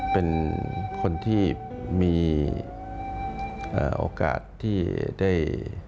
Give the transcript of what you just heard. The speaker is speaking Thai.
เป็นคนที่มีโอกาสที่ได้